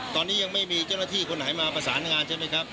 ตอนนี้ยังไม่มีเจ้าหน้าที่คนไหนมาประสานงานใช่ไหมครับ